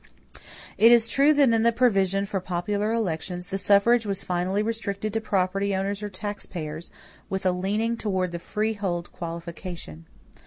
It is true that in the provision for popular elections, the suffrage was finally restricted to property owners or taxpayers, with a leaning toward the freehold qualification.